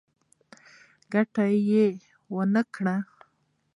ګټه یې ونه کړه.